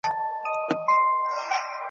پر هوښ راغی ته وا مړی را ژوندی سو `